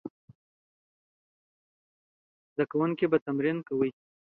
زده کوونکي به تمرین کاوه.